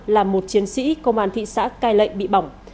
làm một chiến sĩ công an thị xã cai lệ bị bỏng